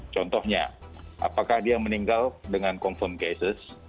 contohnya apakah dia meninggal dengan confirm cases